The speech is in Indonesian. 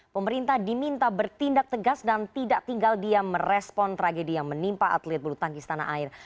pemerintah diminta bertindak tegas dan tidak tinggal diam merespon tragedi yang menimpa atlet bulu tangkis tanah air